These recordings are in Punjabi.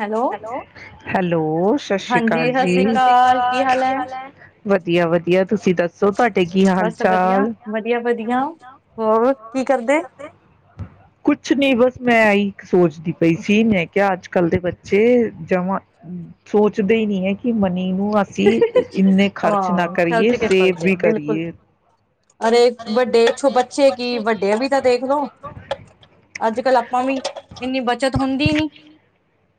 ਹੈਲੋ ਹੈਲੋ ਸਤਿ ਸ਼੍ਰੀ ਹਾਂਜੀ ਅਕਾਲ ਸਤਿ ਜੀ ਸ੍ਰੀ ਅਕਾਲ ਕੀ ਹਾਲ ਹੈ ਵਧੀਆ ਵਧੀਆ ਤੁਸੀਂ ਦੱਸੋ ਤੁਹਾਡੇ ਕੀ ਹਾਲ ਬਸ ਵਧੀਆ ਚਾਲ ਵਧੀਆ ਵਧੀਆ ਹੋਰ ਕੀ ਕਰਦੇ ਏ ਕੁਛ ਨੀ ਬਸ ਮੈਂ ਆਈ ਕ ਸੋਚਦੀ ਪਈ ਸੀ ਮੈ ਕਿਹਾ ਅੱਜ ਕੱਲ ਦੇ ਬੱਚੇ ਜਮਾਂ ਸੋਚਦੇ ਹੀ ਨਹੀ ਹੈ ਕਿ ਮ ਉ ਅਸੀਂ ਇਨੇ ਖਰਚ ਨਾ ਹਾਂ ਕਰੀਏ ਚਲਚ ਕੇ ਸੇਵ ਪਲਚੇ ਵੀ ਬਿਲਕੁਲ ਕਰੀਏ ਵੱਡੇ ਬੱਚੇ ਕੀ ਵੱਡੇ ਵੀ ਤਾਂ ਦੇਖੋ ਅੱਜ ਕੱਲ ਆਪਾਂ ਵੀ ਇਨੀ ਬਚਤ ਹੁੰਦੀ ਨਹੀਂ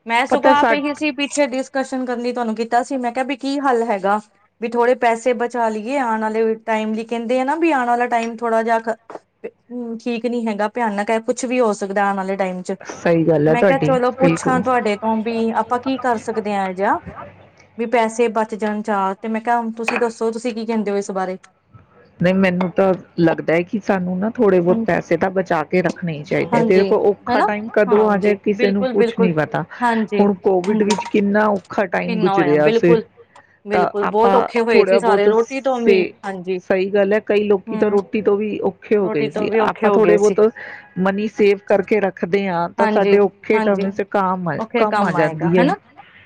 ਮੈਂ ਪਤਾ ਸੁਬਹ ਸਾ ਤੋਂ ਹੀ ਸੀ ਪੀਛੇ ਡਿਸਕਸ਼ਨ ਕਰਨੀ ਤੁਹਾਨੂੰ ਕੀਤਾ ਸੀ ਮੈਂ ਕਿਹਾ ਪੀ ਕੀ ਹੱਲ ਹੈਗਾ ਵੀ ਥੋੜੇ ਪੈਸੇ ਬਚਾ ਲਈਏ ਆਣ ਵਾਲੇ ਟਾਈਮ ਲਈ ਕਹਿੰਦੇ ਆ ਨਾ ਵੀ ਆਉਣ ਵਾਲਾ ਟਾਈਮ ਥੋੜਾ ਜਿਹਾ ਠੀਕ ਨਹੀਂ ਹੈਗਾ ਭਿਆਨਕ ਹੈ ਕੁਛ ਵੀ ਹੋ ਸਕਦਾ ਨਾਲੇ ਟਾਈਮ ਚ ਸਹੀ ਗੱਲ ਹੈ ਮੈਂ ਕਿਹਾ ਤੁਹਾਡੀ ਚਲੋ ਪੁੱਛਾਂ ਬਿਲਕੁਲ। ਤੁਹਾਡੇ ਤੋਂ ਵੀ ਆਪਾਂ ਕੀ ਕਰ ਸਕਦੇ ਆ ਇਹੋ ਜਿਹਾ ਵੀ ਪੈਸੇ ਬਚ ਜਾਣ ਚਾਹ ਤੇ ਮੈਂ ਕਿਹਾ ਤੁਸੀਂ ਦੱਸੋ ਤੁਸੀਂ ਕੀ ਕਹਿੰਦੇ ਔ ਇਸ ਬਾਰੇ ਨਹੀਂ ਮੈਨੂੰ ਤਾਂ ਲੱਗਦਾ ਕਿ ਸਾਨੂੰ ਨਾ ਥੋੜੇ ਬੋਤ ਪੈਸੇ ਤਾਂ ਬਚਾ ਕੇ ਰੱਖਣੇ ਹੀ ਚਾਹੀਦੇ ਐ। ਹਾਂਜੀ ਦੇਖੋ, ਔਖਾ ਹਨਾ ਟਾਈਮ ਕਦੋਂ ਆ ਜੇ ਹਾਂਜੀ ਕਿਸੇ ਨੂੰ ਬਿਲਕੁਲ ਕੁਛ ਬਿਲਕੁਲ ਨੀ ਪਤਾ। ਹਾਂਜੀ ਹੁਣ, ਕੋਵਿਡ ਹਾਂਜੀ ਵਿੱਚ ਕਿੰਨਾ ਔਖਾ ਟਾਈਮ ਕਿੰਨਾ ਹੋਇਆ ਗੁਜ਼ਰਿਆ ਸੀ। ਬਿਲਕੁਲ ਤਾਂ, ਬਿਲਕੁਲ ਬਹੁਤ ਆਪਾਂ ਔਖੇ ਹੋਏ ਸੀ ਥੋੜਾ ਸਾਰੇ ਬਹੁਤ ਰੋਟੀ ਤੋਂ ਸੇ ਵੀ ਹਾਂਜੀ ਸਹੀ ਗੱਲ ਐ। ਕਈ ਲੋਕੀ ਤਾਂ, ਹਮ ਰੋਟੀ ਤੋਂ ਵੀ ਔਖੇ ਹੋਗ ਰੋਟੀ ਤੋਂ ਸੀ ਵੀ ਔਖੇ ਆਪਾਂ ਹੋ ਗਏ ਥੋੜੇ ਸੀ ਬੋਤ ਮਨੀ ਸੇਵ ਕਰਕੇ ਰੱਖ ਹਾਂਜੀ ਹਾਂਜੀ, ਕਾਮ ਆ ਓਖੇ ਆ ਕੰਮ ਆਏਗਾ ਜਾਂਦੀ ਹੈ ਹੈਨਾ।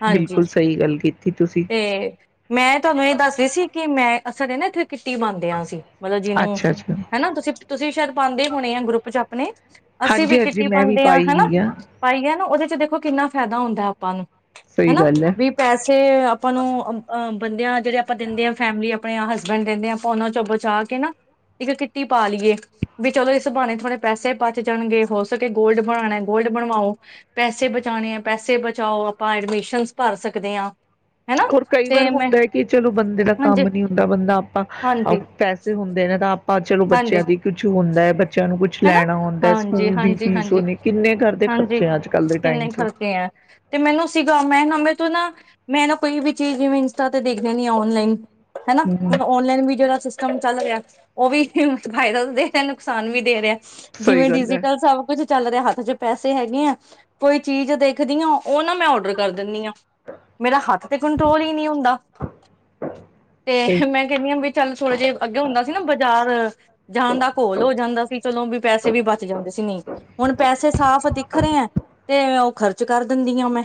ਹਾਂਜੀ, ਬਿਲਕੁਲ ਸਹੀ ਗੱਲ ਕੀਤੀ ਤੁਸੀਂ ਤੇ ਮੈਂ ਤੁਹਾਨੂੰ ਇਹ ਦੱਸਰੀ ਸੀ ਕਿ ਮੈਂ ਸਾਡੇ ਨਾ ਐਥੇ ਕਿੱਟੀ ਪਾਉਦੇ ਆਂ ਅਸੀਂ। ਮਤਲਬ ਜਿਹਨੂੰ ਅੱਛਾ ਅੱਛਾ ਹੈਨਾ ਤੁਸੀਂ ਤੁਸੀਂ ਵੀ ਸ਼ਾਇਦ ਪਾਉਂਦੇ ਹੋਣੇ ਐ ਗਰੁੱਪ ਚ ਆਪਣੇ। ਅਸੀਂ ਹਾਂਜੀ ਵੀ ਹਾਂਜੀ ਕਿੱਟੀ ਮੈਂ ਪਾਂਦ ਵੀ ਆ ਪਾਈ ਹੈਨਾ ਵੀ ਆ ਪਾਈਐ। ਕਿਆਨਾ ਉਹਦੇ ਚ ਦੇਖੋ ਕਿੰਨਾ ਫੈਦਾ ਹੁੰਦੈ ਆਪਾਂ ਨੂੰ। ਸਹੀ ਹੈਨਾ ਗੱਲ ਹੈ ਵੀ ਪੈਸੇ ਆਪਾਂ ਨੂੰ ਅਮ ਅ ਬੰਦਿਆਂ ਜਿਹੜੇ ਆਪਾਂ ਦਿੰਦੇ ਆਂ ਫੈਮਿਲੀ ਆਪਣੇ ਹਸਬੈਂਡ ਦਿੰਦੇ ਐ, ਆਪਾਂ ਔਨਾਂ ਚੋਂ ਬਚਾ ਕੇ ਨਾ ਇੱਕ ਕਿਟੀ ਪਾ ਲਈਏ। ਵੀ ਚਲੋ, ਇਸ ਬਾਣੇ ਥੋੜੇ ਪੈਸੇ ਬਚ ਜਾਣਗੇ। ਹੋ ਸਕੇ ਗੋਲਡ ਬਣਾਉਣਾ, ਗੋਲਡ ਬਣਵਾਓ। ਪੈਸੇ ਬਚਾਉਣੇ ਐ, ਪੈਸੇ ਬਚਾਓ। ਆਪਾਂ ਐਡਮਿਸ਼ਨ ਭਰ ਸਕਦੇ ਆਂ। ਖੋਰ ਕਈ ਵਾਰ ਹੁੰਦਾ ਐ, ਕਿ ਚਲੋ ਬੰਦੇ ਦਾ ਹਾਂਜੀ ਕੰਮ ਨੀ ਹੁੰਦਾ ਬੰਦਾ ਆਪਾਂ ਹਾਂਜੀ ਪੈਸੇ ਹੁੰਦੇ ਨੇ ਤਾਂ ਆਪ ਆਂ ਚਲੋ ਬੱਚਿਆਂ ਦੀ ਕੁਛ ਹੁੰਦੈ ਬੱਚਿਆਂ ਨੂੰ ਕੁਛ ਹੈਨਾ ਲੈਣਾ ਹੁੰਦਾ ਹਾਂਜੀ ਸਕੂਲ ਦੀ ਹਾਂਜੀ ਫੀਸ ਹਾਂਜੀ ਉਹਨੇ ਕਿੰਨੇ ਘਰ ਦੇ ਹਾਂਜੀ, ਖਰਚੇ ਅੱਜ ਕੱਲ ਦੇ ਟਾਈਮ ਕਿੰਨੇ ਚ ਖਰਕੇ ਐ। ਤੇ ਮੈਨੂੰ ਸੀਗਾ ਮੈਂ ਨਾ ਮੇ ਤੋਂ ਨਾ ਮੈਂ ਨਾ ਕੋਈ ਵੀ ਚੀਜ਼ ਜਿਵੇਂ ਇੰਸਟਾ ਤੇ ਦੇਖ ਦੇਨੀ ਆ ਔਨਲਾਈਨ। ਹੈਨਾ ਹਮ ਹੁਣ, ਔਨਲਾਈਨ ਵੀ ਜਿਹੜਾ ਸਿਸ ਕੰਮ ਚੱਲ ਰਿਆ ਓਹ ਵੀ ਫਾਇਦਾ ਦੇਰੈ ਨੁਕਸਾਨ ਵੀ ਦੇ ਰਿਐ। ਸਹੀ ਜਿਵੇਂ, ਗੱਲ ਹੈ ਡਿਜੀਟਲ ਸਭ ਕੁਛ। ਚੱਲ ਰਿਹਾ ਹੱਥ ਚ ਪੈਸੇ ਹੈਗੇ ਐ, ਕੋਈ ਚੀਜ਼ ਦੇਖਦੀ ਆਂ, ਔ ਨਾ ਮੈਂ ਔਡਰ ਕਰ ਦਿੰਦੀ ਆਂ। ਮੇਰਾ ਹੱਥ ਤੇ ਕੰਟਰੋਲ ਈ ਨ੍ਹੀਂ ਹੁੰਦਾ। ਤੇ ਸਹੀ ਮੈਂ ਕਹਿੰਦੀ ਹਾਂ, ਵੀ ਚੱਲ ਥੋੜੇ ਜਹੇ ਅੱਗੇ ਹੁੰਦਾ ਸੀ ਨਾ ਬਾਜ਼ਾਰ ਜਾਣ ਦਾ ਘੋਲ ਹੋ ਜਾਂਦਾ ਸੀ। ਵੀ ਪੈਸੇ ਵੀ ਬਚ ਜਾਂਦੇ ਸੀ ਨ੍ਹੀਂ ਹੁਣ ਪੈਸੇ ਸਾਫ਼ ਦਿਖ ਰੇ ਐ। ਤੇ ਉਹ ਖਰਚ ਕਰ ਦਿੰਦੀ ਆਂ ਮੈਂ।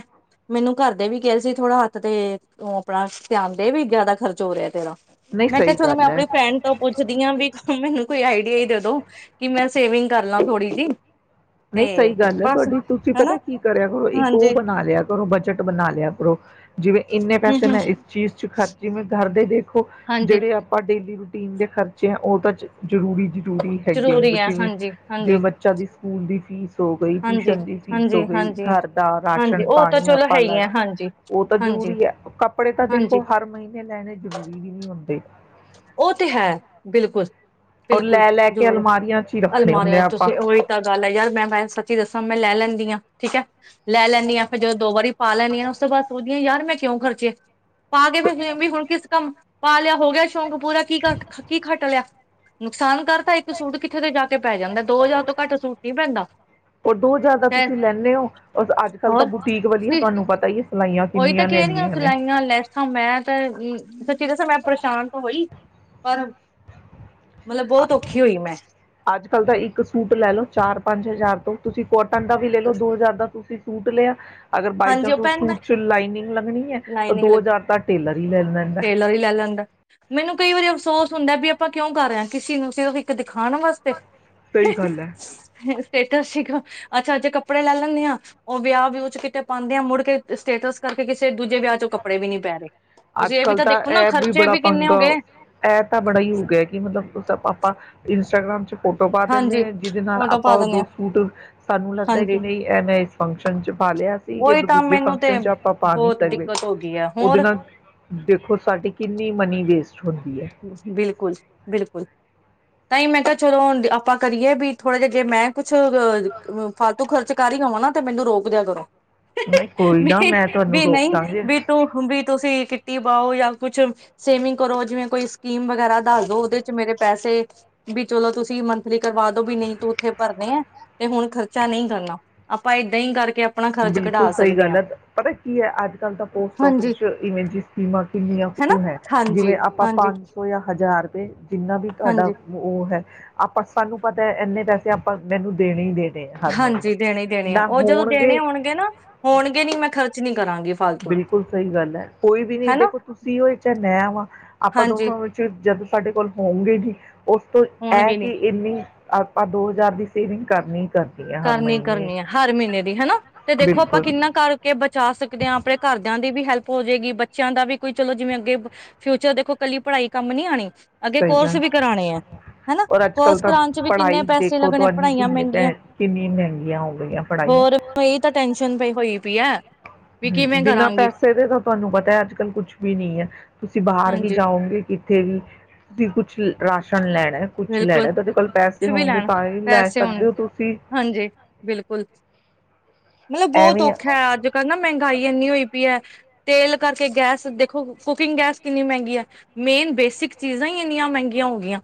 ਮੈਨੂੰ, ਘਰ ਦੇ ਵੀ ਕੈਰੇ ਸੀ, ਥੋੜਾ ਹੱਥ ਤੇ ਉਹ ਆਪਣਾ ਧਿਆਨ ਦੇ ਵੀ ਜ਼ਿਆਦਾ ਖਰਚ ਹੋ ਰਿਐ ਤੇਰਾ। ਨਹੀਂ ਮੈਂ ਕਿਹਾ ਸਹੀ ਚਲੋ ਮੈਂ ਗੱਲ ਹੈ। ਆਪਣੇ ਫਰੈਂਡ ਤੋਂ ਪੁੱਛਦੀ ਆ, ਵੀ ਮੈਨੂੰ ਕੋਈ ਆਈਡੀਆ ਹੀ ਦੇ ਦੋ। ਕਿ ਮੈਂ ਸੇਵਿੰਗ ਕਰ ਲਾ ਥੋੜੀ ਜੀ। ਨਹੀਂ, ਸਹੀ ਗੱਲ ਹੈ ਤੁਹਾਡੀ। ਤੁਸੀਂ ਪਤਾ ਹਨਾ ਕੀ ਕਰਿਆ ਕਰੋ, ਇੱਕ ਔ ਹਾਂਜੀ ਬਣਾ ਲਿਆ ਕਰੋ ਬਜਟ ਬਣਾ ਲਿਆ ਕਰੋ। ਜਿਵੇਂ, ਇੰਨੇ ਹਮ ਪੈਸੇ ਹਮ ਮੈਂ ਇਸ ਚੀਜ਼ ਚ ਖਰਚੀ ਮੈਂ ਘਰ [unintelligible] ਕੋ ਹਾਂਜੀ ਜੇੜੇ ਆਪਾਂ ਡੇਲੀ ਰੁ ਟੀਨ ਦੇ ਖਰਚੇ ਐ, ਉਹ ਤਾਂ ਜ਼ ਜ਼ਰੂਰੀ। ਜ਼ੂਰੀ ਹੈਗੀ ਐਂ। ਜ਼ਰੂਰੀ ਹੈ ਬਚੇ ਹੋਏ ਹਾਂਜੀ ਹਾਂਜੀ ਜਿਵੇਂ ਬੱਚਾ ਦੀ ਸਕੂਲ ਦੀ ਫੀਸ ਹੋ ਗਈ, ਹਾਂਜੀ ਹਾਂਜੀ ਟਿਊਸ਼ਨ ਦੀ ਫੀਸ ਹੋ ਹਾਂਜੀ ਗਈ, ਹਾਂਜੀ ਘਰ ਦਾ ਰਾਸ਼ਨ ਹਾਂਜੀ ਉਹ ਤਾਂ ਪਾਣੀ ਚਲੋ ਹੈ ਆਪਾਂ ਹੀ ਹੈ ਲੈਣਾ ਹਾਂਜੀ ਓਹ ਤਾਂ ਹਾਂਜੀ ਜ਼ਰੂਰੀ ਐ। ਕੱਪੜੇ ਤਾਂ ਹਾਂਜੀ ਦੇਖੋ ਹਰ ਮਹੀਨੇ ਲੈਣੇ ਜ਼ਰੂਰੀ ਵੀ ਨ੍ਹੀਂ ਹੁੰਦੇ। ਉਹ ਤੇ ਹੈ ਬਿਲਕੁਲ ਔਰ ਬਿਲਕੁਲ ਲੈ ਲੈ ਕੇ ਜ਼ਰੂਰ ਅਲਮਾਰੀਆਂ 'ਚ ਹੀ ਰੱਖਣੇ ਹੁੰਦੇ ਆ ਅਲਮਾਰ ਤੁਸੀਂ ਆਪਾਂ ਉਹੀ ਤਾਂ ਗੱਲ ਹੈ ਯਾਰ ਮੈਂ ਮੈਂ ਸੱਚੀ ਦੱਸਾਂ ਮੈਂ ਲੈ ਲੈਂਦੀ ਹਾਂ ਠੀਕ ਹੈ ਲੈ ਲੈਂਦੀ ਹ ਫਿਰ ਜਦੋਂ ਦੋ ਵਾਰੀ ਪਾ ਲੈਂਦੀ ਹਾਂ ਉਸ ਤੋਂ ਬਾਅਦ ਸੋਚਦੀ ਹਾਂ ਯਾਰ ਮੈਂ ਕਿਉਂ ਖਰਚੇਏ ਪਾ ਕੇ ਫਿਰ ਵੀ ਹੁਣ ਕਿਸ ਕੰਮ ਪਾ ਲਿਆ ਹੋ ਗਿਆ [unintelligible] ਪੂਰਾ ਕੀ ਘੱਟ ਕੀ ਖੱਟ ਲਿਆ ਨੁਕਸਾਨ ਕਰ ਤਾਂ ਇੱਕ ਸੂਟ ਕਿੱਥੇ ਤੋਂ ਜਾ ਕੇ ਪੈ ਜਾਂਦਾ ਦੋ ਹਜ਼ਾਰ ਤੋਂ ਘੱਟ ਸੂਟ ਨਹੀਂ ਪੈਂਦਾ ਰ ਦੋ ਜ਼ਿਆਦਾ ਤੇ ਤੁਸੀਂ ਲੈਂਦੇ ਹੋਰ ਅੱਜ ਕੱਲ ਤਾਂ ਹੋਰ ਬੁਟੀਕ ਵਾਲਧੀਆ ਤੇ ਤੁਹਾਨੂੰ ਪਤਾ ਹੀ ਹੈ ਸਿਲਾਈਆਂ ਉਹੀ ਤਾਂ ਕਿੰਨੀਆਂ ਕਿਦੀ ਲੈਂਦੀਆਂ ਨੇ ਸਿਲਾਈਆਂ ਲੈਸਾਂ ਮੈਂ ਤੇ ਹਮ ਸੱਚੇ ਦਸ ਮੈਂ ਪਰੇਸ਼ਾਨ ਤਾਂ ਹੋਈ ਪਰ ਮਤਲਬ ਬਹੁਤ ਔਖੀ ਹੋਈ ਮੈਂ ਅੱਜ ਕੱਲ੍ਹ ਤਾਂ ਇੱਕ ਸੂਟ ਲੈ ਲਓ ਚਾਰ ਪੰਜ ਹਜ਼ਾਰ ਤੋਂ ਤੁਸੀਂ ਕੋਨ ਤੰਦਾ ਵੀ ਲੇ ਲੋ ਦੋ ਹਜ਼ਾਰ ਦਾ ਤੁਸੀਂ ਸੂਟ ਲਿਆ ਅਗਰ ਬਾਈ ਹਾਂਜੀ ਚਾਂਸ ਉਹ ਪੈਂਦਾ ਸੂਟ 'ਚ ਲਾਈਨਿੰਗ ਲੱਗਣੀ ਐ ਤਾਂ ਲਾਈਨਿੰਗ ਦੋ ਲ ਹਜ਼ਾਰ ਤਾਂ ਟੇਲਰ ਹੀ ਲੈ ਲੈਂਦਾ ਟੇਲਰ ਵੀ ਲੈ ਲੈਂਦਾ। ਮੈਨੂੰ ਕਈ ਵਾਰੀ ਅਫਸੋਸ ਹੁੰਦਾ ਵੀ ਆਪਾਂ ਕਿਉਂ ਕਰ ਰਹੇ ਹਾਂ, ਕਿਸੇ ਨੂੰ ਸਿਰਫ ਇੱਕ ਦਿ ਖਾਣ ਵਾਸਤੇ? ਸਹੀ ਗੱਲ ਹੈ ਸਟੇਟਸ ਸੀਗਾ। ਅੱਛਾ ਜੇ ਕੱਪੜੇ ਲੈ ਲੈਂਨੀ ਆਂ, ਉਹ ਵਿਆਹ ਵਿਊਹ 'ਚ ਕਿਤੇ ਪਾਂਦੇ ਆਂ, ਮੁੜ ਕੇ ਸਟੇਟਸ ਕਰਕੇ ਕਿਸੇ ਦੂਜੇ ਵਿਆਹ 'ਚ ਕੱਪੜੇ ਵੀ ਨੀ ਪੈ ਰਏ। ਅੱਜ ਕੱਲ੍ਹ ਤਾਂ ਐ ਵੀ ਬੜਾ ਪੰੰਗਾ, ਇਹ ਤਾਂ ਬੜਾ ਈ ਹੋ ਗਿਆ ਕਿ ਮਤ ਦੋਸਾ ਪਾਪਾ ਇਨ ਇੰਸਟਾਗ੍ਰਾਮ 'ਚ ਫੋਟੋ ਪਾ ਦਿੰਦੇ ਹਾਂਜੀ ਆਂ, ਜਿਹਦੇ ਨਾਲ ਫੋਟੋ ਪਾ ਆਪਾਂ ਉਹ ਦਿੰਦੇ ਦੋ ਆ ਸੂਟ ਸਾਨੂੰ ਲੱਗਦਾ ਕਿ ਹਾਂਜੀ ਨਈ ਐ ਮੈਂ ਇਸ ਫੰਕਸ਼ਨ ਚ ਪਾ ਲਿਆ ਸੀ ਕਿ ਉਹੀ ਕ ਤਾਂ ਦੂਜੇ ਮੈਨੂੰ ਤੇ ਫੰਕਸ਼ਨ ਚ ਆਪਾਂ ਪਾ ਨਈ ਬਹੁਤ ਸਕਦੇ। ਦਿੱਕਤ ਹੋ ਗਈ ਹੈ ਉਹਦੇ ਹੋਰ ਨਾਲ ਦੇਖੋ ਸਾਡੀ ਕਿੰਨੀ ਮਨੀ ਜੇਸ ਬਿਲਕੁਲ, ਬਿਲਕੁਲ। ਤਾਂ ਹੀ ਮੈਂ ਕਿਹਾ ਚਲੋ ਹੁੰਦ ਆਪਾਂ ਕਰੀਏ ਵੀ ਥੋੜਾ ਜਿਹਾ ਜੇ ਮੈਂ ਕੁਛ ਅਹ ਅਮ ਫਾਲਤੂ ਖਰਚ ਕਰ ਰੀ ਹੋਵਾਂ ਨਾ ਤੇ ਮੈਨੂੰ ਰੋਕ ਦਿਆ ਕਰੋ। ਨਹੀਂ ਕੋਈ ਨਾ ਨਹੀਂ ਮੈਂ ਤੁਹਾਨੂੰ ਵੀ ਰੋਕ ਨਹੀਂ ਦਾਂਗੇ। ਵੀ ਤੂੰ ਵੀ ਹੁੰਦੀ ਤੁਸੀਂ ਕ ਟੀ ਪਾਓ ਜਾਂ ਕੁਛ ਸੇਮਿੰਗ ਕਰੋ ਜਿਵੇਂ ਕੋਈ ਸ ਕੀਮ ਵਗੈਰਾ ਦੱਸ ਦੋ, ਉਹਦੇ 'ਚ ਮੇਰੇ ਪੈਸ- ਸੇ ਵੀ ਚਲੋ ਤੁਸੀਂ ਮੰਥਲੀ ਕਰਵਾ ਦੋ ਵੀ ਨੀ ਤੂੰ ਉੱਥੇ ਭਰਨੇ ਆ ਤੇ ਹੁਣ ਖਰਚਾ ਨਈ ਕਰਨਾ। ਆਪਾਂ ਏਦਾਂ ਈ ਕਰ ਬਿਲਕੁਲ ਸਹੀ ਗੱਲ ਐ। ਪਤਾ ਕੀ ਐ, ਅੱਜ ਕੱਲ ਤਾਂ ਪੋਸਟ ਆਫਿਸ ਹਾਂਜੀ 'ਚ ਇਵੇਂ ਜੀ ਸਕੀਮਾਂ ਕਿੰਨੀਆਂ ਹਨਾ ਕੁ ਹੈ, ਹਾਂਜੀ ਜਿਵੇਂ ਆਪਾਂ ਹਾਂਜੀ ਪੰਜ ਸੌ ਜਾਂ ਹਜ਼ਾਰ ਰੁਪਏ, ਜਿੰਨਾ ਵੀ ਤੁਹਾਡਾ ਹਾਂਜੀ ਉ-ਉਹ ਹੈ, ਆਪਾਂ ਸਾਨੂੰ ਪਤਾ ਐ ਇੰਨੇ ਪੈਸੇ ਆਪਾਂ ਮੈਨੂੰ ਦੇਣ ਨਈ ਦੇ ਦੇ ਹਰ ਮਹੀਮ। ਹਾਂਜੀ ਦੇਣੇ ਹੀ ਦੇਣੇ ਆ ਨਾ ਉਹ ਜਦੋਂ ਦੇਣੇ ਹੋਣਗੇ ਹੋਣਗੇ ਨਾ, ਹੋਣਗੇ ਨੀ ਮੈਂ ਖਰਚ ਨੀ ਕਰਾਂ ਬਿਲਕੁਲ ਸਈ ਗੱਲ ਐ। ਕੋਈ ਵੀ ਨੀ ਹਨਾ ਦੇਖੋ, ਤੁਸੀਂ ਹੋਏ ਚਾਹੇ ਮੈਂ ਹੋ, ਆਪਾਂ ਹਾਂਜੀ ਦੋਨੋਂ ਵਿੱਚ ਜਦ ਸਾਡੇ ਕੋਲ ਹਉਂਗੇ ਕੀ ਓਸ ਤੋਂ ਐ ਹੋਣਗੇ ਨੀ ਕਿ ਇੰਨੀ ਆਪਾਂ ਦੋ ਹਜ਼ਾਰ ਦੀ ਸੇਵਿੰਗ ਕਰਨੀ ਹੈ ਹਰ ਕਰਨੀ ਮਹੀਨੇ ਕਰਨੀ ਹੈ ਹਰ ਮਹੀਨੇ ਦੀ ਹਨਾ ਤੇ ਦੇਖੋ, ਆਪਾਂ ਬਿਲਕੁਲ ਕਿੰਨਾ ਕਰਕੇ ਬਚਾ ਸਕ ਦ ਆਪਣੇ ਘਰਦਿਆਂ ਦੀ ਵੀ ਹੈਲਪ ਹੋ ਜਾਏਗੀ, ਬੱਚਿਆਂ ਦਾ ਵੀ ਕੋਈ ਚਲੋ ਜਿਵੇਂ ਅੱਗੇ ਫਿਊਚਰ ਦੇਖੋ ਕੱਲੀ ਪੜ੍ਹਾਈ ਕੰਮ ਨੀ ਆਣੀ। ਕੁਝ ਅੱਗੇ ਅਸੀਂ ਸਹੀ ਕੋਰਸ ਗੱਲ ਵੀ ਕਰਾਣੇ ਹੈ, ਹਨਾ ਔਰ ਅੱਜ ਕੱਲ ਕੋਰਸ ਤਾਂ ਕਰਾਣ ਚ ਵੀ ਕਿੰਨੇ ਪੜ੍ਹਾਈ ਪੈਸੇ ਦੇਖੋ ਲੱਗਣੇ ਤੁਹਾਨੂੰ ਪੜ੍ਹਾਈਆਂ ਕਿੰਨੀ ਮਹਿੰਗੀਆਂ। ਪੈ ਕਿੰਨੀ ਮਹਿੰਗੀਆਂ ਹੋ ਗਈਆਂ ਪੜ੍ਹਾਈਆਂ। ਪਿਆ ਹੈ। ਵੀ ਹਮ ਕਿਵੇਂ ਬਿਨਾਂ ਕਰਾਂਗੀ ਪੈਸੇ ਦੇ ਤਾਂ ਤੁਹਾਨੂੰ ਪਤਾ ਹੈ, ਅੱਜ ਕੱਲ ਕੁਛ ਵੀ ਨੀ ਹੈ ਤੁਸੀਂ ਬਾਹਰ ਵੀ ਹਾਂਜੀ ਜਾਓਗੇ ਕਿੱਥੇ ਵੀ, ਬਿਲ ਰਾਸ਼ਨ ਲੈਣਾ ਕੁਛ ਬਿਲਕੁਲ ਲੈਣਾ ਤੁਹਾਡੇ ਕੋਲ ਪੈਸੇ ਕੁਛ ਵੀ ਹੋਵਗੇ, ਲੈਣ ਤਾਂ ਹੀ ਲੈ ਪੈਸੇ ਸਕਦੇ ਹੋਣ ਹੋ ਤੁਸੀਂ ਹਾਂਜੀ ਬਿਲਕੁਲ ਮਤਲਬ ਬਹੁਤ ਐਵੇਂ ਆ। ਔਖਾ ਹੈ ਅੱਜ ਕੱਲ੍ਹ ਨਾ ਮਹਿੰਗਾਈ ਇੰਨੀ ਹੋਈ ਪਈ ਹੈ, ਤੇਲ ਕਰਕੇ ਗੈਸ ਦੇਖੋ ਕੁਕਿੰਗ ਗੈਸ ਕਿੰਨੀ ਮਹਿੰਗੀ ਹੈ, ਮੇਨ ਬੇਸਿਕ ਚੀਜ਼ਾਂ ਹੀ ਇੰਨੀਆਂ ਮਹਿੰਗੀਆਂ ਹੋ ਗਿਆਂ।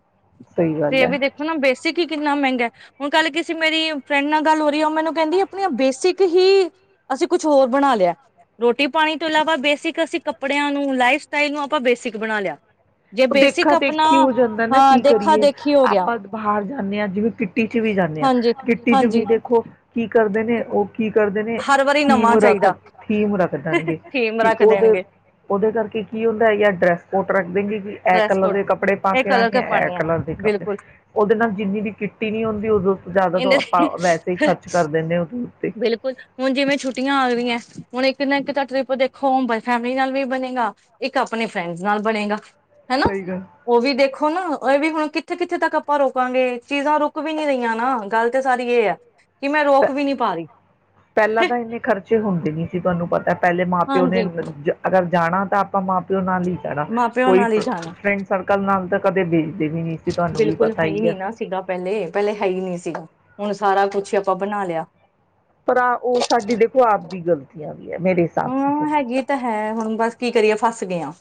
ਸਹੀ ਤੇ ਗੱਲ ਇਹ ਹੈ। ਵੀ ਦੇਖੋ ਨਾ ਬੈਸ, ਬੇਸਿਕ ਹੀ ਕਿੰਨਾ ਮਹਿੰਗਾ ਹੁਣ ਕੱਲ ਕਿਸੀ ਮੇਰੀ ਫਰੈਂਡ ਨਾਲ ਗੱਲ ਹੋ ਰਹੀ ਹੈ, ਉਹ ਮੈਨੂੰ ਕਹਿੰਦੀ ਆਪਣੀਆਂ ਬੇਸਿਕ ਹੀ ਅਸੀਂ ਕੁਛ ਹੋਰ ਬਣਾ ਲਿਆ ਰੋਟੀ ਪਾਣੀ ਤੋਂ ਇਲਾਵਾ ਬੇਸਿਕ ਅਸੀਂ ਕੱਪੜਿਆਂ ਨੂੰ ਲਾਈਫ ਸਟਾਈਲ ਨੂੰ ਆਪਾਂ ਬੇਸਿਕ ਬਣਾ ਲਿਆ। ਜੇ ਬੇਸਿਕ ਆਪਣਾ, ਬੰਦਾ ਨਾ ਹਾਂ ਕੀ ਦੇਖਾ ਕਰੀਏ ਦੇਖੀ ਹੋ ਗਿਆ ਆਪਾਂ ਬਾਹਰ ਜਾਂਦੇ ਹਾਂ ਜਿਵੇਂ ਕਿੱਟੀ ਚ ਵੀ ਜਾਂਦੇ ਹਾਂ ਹਾਂਜੀ ਕਿੱਟੀ ਚ ਵੀ ਹਾਂਜੀ ਦੇਖੋ ਕੀ ਕਰਦੇ ਨੇ ਉਹ ਕੀ ਕਰਦੇ। ਹਰ ਵਾਰੀ ਥੀਮ ਨਵਾਂ ਰੱਖ ਚਾਹੀਦਾ ਥੀਮ ਰੱਖ ਦੇਣਗੇ, ਥੀਮ ਕਿ ਰੱਖ ਉਹਦੇ ਦੇਣਗੇ ਉਹਦੇ ਕਰਕੇ ਕੀ ਹੁੰਦਾ ਜਾ ਡਰੈਸ ਕੋਟ ਰੱਖ ਦੇਣਗੇ ਕਿ ਇਹ ਡਰੈਸ ਕਲਰ ਕੋਡ ਦੇ ਕੱਪੜੇ ਪਾ ਇਹ ਕੇ ਕਲਰ ਆਣੇ ਆ ਐ ਪਾਣੇ ਕਲਰ ਦੇ ਕੱਪੜੇ ਬਿਲਕੁਲ ਉਹਦੇ ਨਾਲ ਜਿੰਨੀ ਵੀ ਕਿੱਟੀ ਨੀ ਹੁੰਦੀ ਉਦੋਂ ਤੋਂ ਜ਼ਿਆਦਾ ਤੋਂ ਇਹਦੇ ਆਪਾਂ ਵੈਸੇ ਹੀ ਤੇ ਖਰਚ ਕਰ ਦਿੰਨੇ ਆ। ਬਿਲਕੁਲ ਹੁਣ ਜਿਵੇਂ ਛੁੱਟੀਆਂ ਆ ਗਈਆਂ। ਹੁਣ ਇੱਕ ਨਾ ਇੱਕ ਤਾਂ ਟਰਿਪ ਦੇਖੋ ਫੈਮਿਲੀ ਨਾਲ ਵੀ ਬਣੇਗਾ, ਇੱਕ ਆਪਣੇ ਫਰੈਂਡਸ ਨਾਲ ਬਣੇਗਾ। ਹਨਾ ਸਹੀ ਗੱਲ। ਉਹ ਵੀ ਦੇਖੋ, ਦੇਖੋ ਨਾ ਇਹ ਵੀ ਹੁਣ ਕਿੱਥੇ ਕਿੱਥੇ ਤੱਕ ਆਪਾਂ ਰੋਕਾਂਗੇ, ਚੀਜ਼ਾਂ ਰੁਕ ਵੀ ਨੀ ਰਹੀਆਂ ਨਾ, ਗੱਲ ਤੇ ਸਾਰੀ ਇਹ ਐ। ਕਿ ਮੈਂ ਪ ਰੋਕ ਵੀ ਨੀ ਪਹਿਲਾਂ ਤਾਂ ਇੰਨੇ ਖਰਚੇ ਹੁੰਦੇ ਨੀ ਸੀ, ਪ ਤੈਨੂੰ ਪਤਾ। ਪਹਿਲੇ ਮਾਂ ਪਿਓ ਨੇ, ਹਾਂਜੀ ਜੇ ਅਗਰ ਜਾਣਾ ਤਾਂ ਆਪਾਂ ਮਾਂ ਪਿਓ ਨਾਲ ਹੀ ਜਾਨਾ ਮਾਂ ਪਿਓ ਕੋਈ ਨਾਲ ਹੀ ਫ਼ ਜਾਣਾ ਫਰੈਂਡ ਸਰਕਲ ਨਾਲ ਤਾਂ ਕਦੇ ਭੇਜਦੇ ਵੀ ਨੀ ਸੀ, ਤੁਹਾਨੂੰ ਵੀ ਬਿਲਕੁਲ ਪਤਾ ਹੀ ਨੀ ਹੈ। ਨਾ ਸੀਗਾ ਪਹਿਲੇ ਪਹਿਲੇ ਹੈ ਹੀ ਨਹੀਂ ਸੀਗਾ ਹੁਣ ਸਾਰਾ ਕੁਛ ਆਪਾਂ ਬਣਾ ਲਿਆ। ਪਰ ਆ ਉਹ ਸਾਡੀ, ਦੇਖੋ ਆਪਦੀ ਗ਼ਲਤੀਆਂ ਹਾਂ, ਹੈਗੀ ਤਾਂ ਹੈ ਹੁਣ ਬਸ ਕੀ ਕਰੀਏ, ਫਸ ਫਸ ਗਿਆ।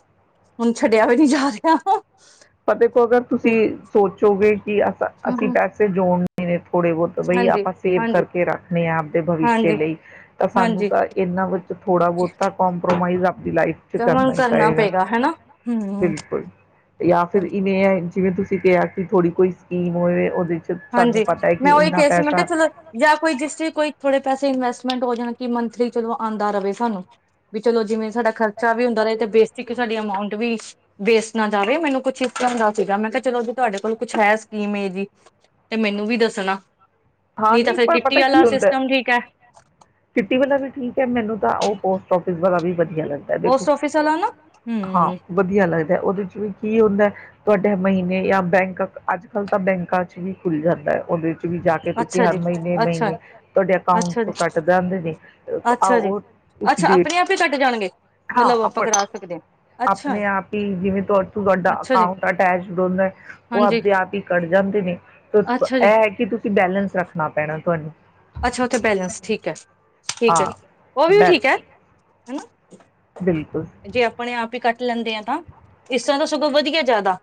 ਤਾਂ ਦੇਖੋ ਅਗਰ ਤੁਸੀਂ ਸੋਚੋਗੇ ਕਿ ਅ ਅਸੀਂ ਪੈਸੇ ਜੋੜਨੇ [unintelligible] ਥੋੜੇ ਬਹੁਤ ਬਈ ਹਾਂਜੀ ਆਪਾਂ ਸੇਵ ਹਾਂਜੀ ਕਰਕੇ ਰੱਖਣੇ ਆ, ਆਪਦੇ ਭਵਿਸ਼ਯ ਹਾਂਜੀ ਲਈ, ਤਾਂ ਸਾਨੂੰ ਹਾਂਜੀ ਤਾਂ ਇਹਨਾਂ ਵਿੱਚ ਥੋੜਾ ਬਹੁਤਾ ਕੰਪ੍ਰੋਮਾਈਜ਼ ਅਪ ਤੇ ਹੁਣ ਕਰਨਾ ਪਏਗਾ, ਹਨਾ। ਹਮ ਬਿਲਕੁਲ, ਜਾਂ ਫਿਰ ਇੰਨੇ ਨੇ। ਜਿਵੇਂ ਤੁਸੀਂ ਕਿਹਾ, ਕਿ ਥੋਡ੍ਹੀ ਕੋਈ ਸਕੀਮ ਹੋਵੇ, ਉਹਦੇ 'ਚ ਸਾਨੂੰ ਹਾਂਜੀ ਪਤਾ ਹੈ ਕਿ ਮੈਂ ਉਹ ਇੱਕ ਇੰਨਾ ਸੀ ਮੈਂ ਕਿਹਾ ਪੈਸਾ ਚਲੋ ਜਾਂ ਕੋਈ ਜਿਸ ਚ ਕੋਈ ਰਜੀਸਟਰੀ ਥੋੜੇ ਪੈਸੇ ਇਨਵੈਸਟ ਮੈਮ, ਦੋ ਜਣਿਆ ਕਿ ਮੰਥਲੀ ਚਲੋ ਆਉਂਦਾ ਰਹੇ ਸਾਨੂੰ, ਵੀ ਚਲੋ, ਜਿਵੇਂ ਸਾਡਾ ਖਰਚਾ ਵੀ ਹੁੰਦਾ ਰਹੇ ਤੇ ਬੇਸਿਕ ਸਾਡੀਆਂ ਮਾਊਂਟ ਵੀ ਵੇਸਟ ਨਾ ਜਾਵੇ, ਮੈਨੂੰ ਕੁਛ ਇਸ ਤਰ੍ਹਾਂ ਦਾ ਸੀਗਾ, ਮੈਂ ਕਿਹਾ ਚਲੋ, ਤੁਹਾਡੇ ਕੋਲ ਕੁਛ ਹੈ ਸਕੀਮ ਏਹੇ ਜੀ? ਤੇ ਮੈਨੂੰ ਵੀ ਦੱਸਣਾ। ਹਾਂ ਨਹੀਂ ਫੇਰ ਤਾਂ ਕਿੱਟੀ ਪਤਾ ਕੀ ਵਾਲਾ ਹੁੰਦਾ, ਸਿਸਟਮ ਠੀਕ ਹੈ ਕਿੱਟੀ ਵਾਲਾ ਵੀ ਠੀਕ ਹੈ, ਮੈਨੂੰ ਤਾਂ ਉਹ ਪੋਸਟ ਆਫ਼ਿਸ ਵਾਲ਼ਾ ਵੀ [unintelligible] ਵਧਿਆ ਲੱਗਦਾ, ਦੇਖੋ, ਪੋਸਟ ਆਫਿਸ ਵਾਲਾ ਨਾ ਹਾਂ ਹਮ ਵਧੀਆ ਲੱਗਦਾ, ਉਹਦੇ ਚ ਕੀ ਹੁੰਦਾ? ਤੁਹਾਡੇ ਮਹੀਨੇ ਜਾਂ ਬੈਂਕ, ਅੱਜ ਕੱਲ੍ਹ ਤਾਂ ਬੈਂਕਾਂ ਚ ਵੀ ਖੁੱਲ ਜਾਂਦਾ ਹੈ, ਉਹਦੇ ਚ। ਵੀ ਜਾ ਕੇ ਤੁਸੀਂ ਅੱਛਾ ਜੀ ਨਹੀਂ ਨਈਂ ਨਈਂ ਅੱਛਾ ਨਈਂ ਤੁਹਾਡੇ ਅਕਾਊਂਟ ਅੱਛਾ ਜੀ ਚੋਂ ਕੱਟ ਜਾਂਦੇ ਨੇ, ਆਹੋ ਅੱਛਾ ਜੀ, ਉਹ ਤੁਸੀ ਅੱਛਾ ਦੇਖ ਆਪਣੇ ਸਕ, ਆਪ ਹੀ ਕੱਟ ਜਾਣਗੇ। ਹਾਂ, ਮਤਲਬ ਆਪ ਆਪਾਂ ਕਰਾ ਸਕਦੇ ਹਾਂ, ਅੱਛਾ, ਆਪਣੇ ਆਪ ਹੀ ਜਿਵੇਂ ਤੁਹਾਡਾ ਤੁਹਾਡਾ ਅੱਛਾ ਜੀ, ਅਕਾਊਂਟ ਅਟੈਚਡ ਹੁੰਦਾ ਹੈ, ਉਹ ਹਾਂਜੀ, ਆਪਦੇ ਆਪ ਹੀ ਕੱਟ ਜਾਂਦੇ ਨੇ, ਓਸ ਇਹ ਅੱਛਾ ਜੀ, ਹੈ ਕਿ ਤੁਸੀਂ ਤੂੰ ਬੈਲੇਂਸ ਰੱਖ। ਦੇਣਾ ਪੈਣਾ ਤੁਹਾਨੂੰ। ਅੱਛਾ, ਉੱਥੇ ਬੈਲੈਂਸ ਠੀਕ ਹੈ। ਠੀਕ ਹੈ ਹਾਂ, ਉਹ ਵੀ ਬੈ ਠੀਕ ਹੈ। ਹਨਾ। ਬਿਲਕੁਲ। ਜੇ ਆਪਣੇ ਆਪ ਹੀ ਕੱਟ ਲੈਂਦੇ ਆ ਇਸ ਤਰ੍ਹਾਂ ਦਾ ਸਗੋਂ ਵਧੀਆ ਜ਼ਿਆਦਾ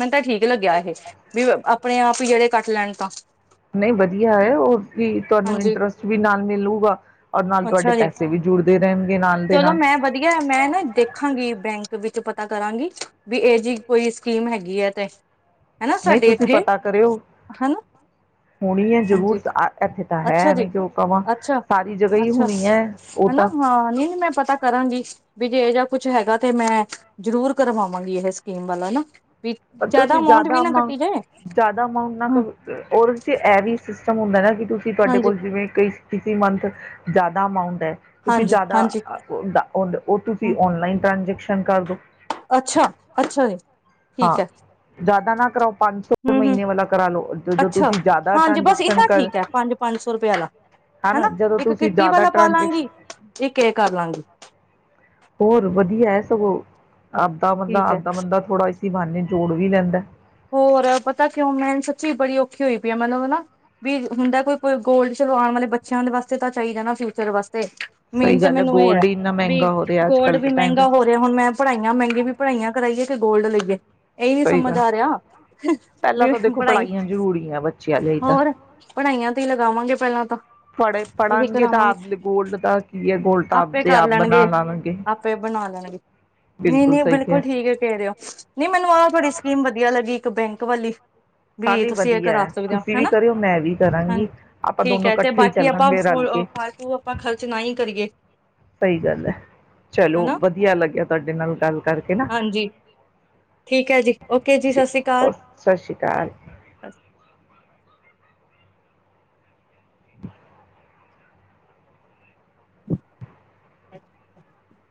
ਮੈਨੂੰ ਤਾਂ ਠੀਕ ਲੱਗਿਆ ਇਹ ਵੀ ਆਪ ਆਪਣੇ ਆਪ ਹੀ ਜਿਹੜੇ ਕੱਟ ਲੈਣ ਤਾਂ ਨਹੀਂ ਵਧੀਆ ਏ ਹੋਰ ਵੀ ਤੁਹਾਨੂੰ ਹਾਂਜੀ ਇੰਟਰਸਟ ਵੀ ਨਾਲ ਮਿਲੂਗਾ ਔਰ ਨਾਲ ਤੁਹਾਡੇ ਅੱਛਾ ਜੀ ਪੈਸੇ ਵੀ ਜੁੜਦੇ ਰਹਿਣਗੇ ਨਾਲ ਦੇ ਚਲੋ ਨਾਲ ਮੈਂ ਵਧੀਆ ਮੈਂ ਨਾ ਦੇਖਾਂਗੀ ਬੈਂਕ ਵਿੱਚ ਪਤਾ ਕਰਾਂਗੀ ਵੀ ਇਹ ਜਿ ਕੋਈ ਸਕੀਮ ਹੈਗੀ ਹੈ ਤੇ ਹਨਾ ਨਹੀਂ ਸਾਡੇ ਤੁਸੀਂ ਇੱਥੇ ਪਤਾ ਕਰਿਓ ਹਨਾ ਹੋਣੀ ਹੈ ਜ਼ਰੂਰ ਹਾਂਜੀ ਇੱਥੇ ਤਾਂ ਅੱਛਾ ਹੈ ਜੀ ਨਹੀਂ ਕਿ ਉਹ ਕਵਾਂ ਅੱਛਾ ਸਾਰੀ ਜਗ੍ਹਾ ਹੀ ਅੱਛਾ ਹੋਣੀ ਹੈ ਉਹ ਹਨਾ ਤਾਂ ਹਾਂ ਨੀ ਮੈਂ ਪਤਾ ਕਰਾਂਗੀ ਵਿ ਜੇ ਜਹਾ ਕੁਛ ਹੈਂਗਾ ਤੇ ਮੈਂ ਜਰੂਰ ਕਰਵਾਵਾਂਗੀ ਇਹ ਸਕੀਮ ਵਾਲਾ ਹਨਾ ਤੁਸੀਂ ਜ਼ਿਆਦਾ ਅਮਾਂਊਟ ਜ਼ਿਆਦਾ ਅਮਾਊਂਟ ਨਾ ਹੂੰ ਉਹ ਵਿੱਚ ਇਹ ਵੀ ਸਿਸਟਮ ਹੁੰਦਾ ਨਾ ਤੁਸੀਂ ਤੁਹਾਡੇ ਹਾਂਜੀ ਕੋਲ ਜਿਵੇਂ ਕਈ ਕਿਸਸੀ ਮੰਥ ਜ਼ਿਆਦਾ ਅਮਾਊਂਟ ਤੁਸੀਂ ਹਾਂਜੀ ਜ਼ਿਆਦਾ ਹਾਂਜੀ ਉਹ ਤੁਸੀਂ ਹੂੰ ਔਨਲਾਈਨ ਟ੍ਰਾਂਜੈਕਸ਼ਨ ਸ਼ਕਾ ਤੋਂ [inaudible] ਅੱਛਾ ਅੱਛਾ ਜੀ ਠੀਕ ਹਾਂ ਹੈ ਜ਼ਿਆਦਾ ਨਾ ਕਰਾਓ ਪੰਜ ਸੌ ਹੁ ਹੁ ਮਹੀਨੇ ਵਾਲਾ ਕਰਾ ਲਓ ਜਦੋਂ ਅੱਛਾ ਤੁਸੀਂ ਜ਼ਿਆਦਾ ਹਾਂਜੀ ਬਸ ਟ੍ਰਾਂਜੈਕਸ਼ਨ ਇਹਨਾ ਕਰ ਠੀਕ ਹੈ ਪੰਜ ਪੰਜ ਸੌ ਰੁਪਏ ਆਲਾ ਹਨਾ ਜਦੋਂ ਇੱਕ ਤੁਸੀਂ ਕਿੱਟੀ ਜ਼ਿਆਦਾ ਵਾਲਾ ਪਾ ਟ੍ਰਾਂਜੈਕਸ਼ਨ ਲਾਂਗੀ ਇੱਕ ਇਹ ਕਰਲਾਂਗੀ ਹੋਰ ਵਧੀਆ ਹੈ ਸਗੋਂ ਆਪਦਾ ਬੰਦਾ ਠੀਕ ਹੈ ਆਪਦਾ ਬੰਦਾ ਥੋੜਾ ਇਸੀ ਬਾਨੇ ਜੋੜ ਵੀ ਲੈਂਦਾ ਹੋਰ ਇਹ ਪਤਾ ਕਿਉਂ ਮੈ ਸੱਚੀ ਬੜੀ ਔਖੀ ਹੋਈ ਪਈ ਹਾ ਮੈਨੂੰ ਨਾ ਵੀ ਹੁੰਦਾ ਕੋਈ ਗੋਂਲਡ ਚਲੋ ਆਉਣ ਵਾਲੇ ਬੱਚਿਆਂ ਦੇ ਵਾਸਤੇ ਤਾਂ ਚਾਹੀਦਾ ਨਾ ਫਿਊਚਰ ਵਾਸਤੇ ਤੇ ਮੇਨ ਸਹੀ ਤੇ ਗੱਲ ਮੈਨੂੰ ਇਹ ਹੈ ਗੋਲਡ ਹੀ ਇੰਨਾ ਵੀ ਮਹਿੰਗਾ ਹੋ ਰਿਹਾ ਅੱਜ ਗੋਲਡ ਕੱਲ੍ਹ ਵੀ ਦੇ ਟਾਈਮ 'ਚ ਮਹਿੰਗਾ ਹੋ ਰਿਹਾ ਹੁਣ ਮੈਂ ਪੜ੍ਹਾਈਆਂ ਮਹਿੰਗੀ ਵੀ ਪੜ੍ਹਾਈਆਂ ਕਰਾਈਏ ਕਿ ਗੋਲਡ ਲੱਈਏ ਇਹੀ ਨੀ ਸਹੀ ਸਮਝ ਗੱਲ ਆ ਰਿਹਾ ਪਹਿਲਾਂ ਵੀ ਤਾਂ ਦੇਖੋ ਪੜ੍ਹਾਈ ਪੜ੍ਹਾਈਆਂ ਜ਼ਰੂਰੀਆਂ ਬੱਚਿਆਂ ਲਈ ਤਾਂ ਹੋਰ ਪੜ੍ਹਾਈਆਂ ਤੇ ਹੀ ਲਗਾਵਾਂਗੇ ਪਹਿਲਾਂ ਤਾਂ ਪੜ੍ਹੇ ਇਹੀ ਪੜ੍ਹਨਗੇ ਤਾਂ ਕਰਾਵਾਂਗੇ ਆਪ ਗੋਲਡ ਦਾ ਕੀ ਏ। ਗੋਲਡ ਆਪੇ ਆਪਦੇ ਕਰ ਆਪ ਬਣਾ ਲੈਣਗੇ ਆਪੇ ਬਣਾ ਲੈਣਗੇ ਨਹੀਂ ਨਹੀਂ ਬਿਲਕੁਲ ਠੀਕ ਹੈ। ਕਹਿ ਰਓ ਨਹੀਂ ਮੈਨੂੰ ਆਹ ਤੁਹਾਡੀ ਸਕੀਮ ਕਿਆ ਲੱਗੀ ਇੱਕ ਬੈਂਕ ਵਾਲੀ ਹਾਂ ਵੀ ਨਹੀਂ ਤੁਸੀਂ ਇਹ ਵਧੀਆ ਕਰਾ ਹੈ ਸਕਦੇ ਹੋ ਤੁਸੀਂ ਵੀ ਹੈਨਾ ਕਰਿਓ ਮੈਂ ਵੀ ਹਾਂਜੀ ਕਰਾਂਗੀ ਆਪਾਂ ਠੀਕ ਦੋਨੋਂ ਹੈ ਤੇ ਇਕੱਠੇ ਹੀ ਬਾਕੀ ਆਪਾਂ ਚੱਲਾਂਗੇ ਫ ਰਲ ਕੇ ਫਾਲਤੂ ਆਪਾਂ ਖਰਚ ਨਾ ਹੀ ਕਰੀਏ ਸਹੀ ਗੱਲ ਹੈ ਚਲੋ ਹਨਾ ਵਧੀਆ ਲੱਗਿਆ ਤੁਹਾਡੇ ਨਾਲ ਗੱਲ ਕਰਕੇ ਨਾ ਹਾਂਜੀ ਠੀਕ ਹੈ ਜੀ ਓਕੇ ਜੀ ਸ੍ਰੀ ਅਕਾਲ ਸਤਿ ਸ਼੍ਰੀ ਅਕਾਲ ਅੱਛਾ [inaudible]